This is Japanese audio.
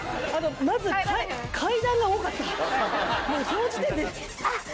まず階段が多かった。